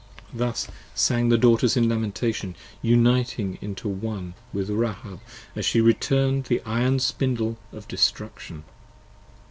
Thus sang the Daughters in lamentation, uniting into One With Rahab as she turn'd the iron Spindle of destruction.